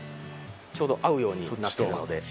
ちょうど合うようになってるので。